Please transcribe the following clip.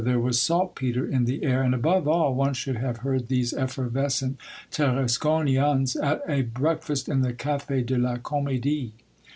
There was salt petre in the air ! And, above all, one should have heard these effervescent Tarasconians at a break fast in the Cafe de la Comedie.